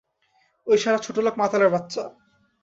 ঐ শালা ছোটলোক মাতালের বাচ্চা!